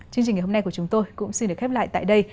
chương trình ngày hôm nay của chúng tôi cũng xin được khép lại tại đây